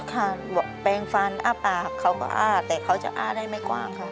แปลงฟันอ้าปากเขาก็อ้าแต่เขาจะอ้าได้ไม่กว้างค่ะ